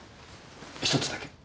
１つだけ。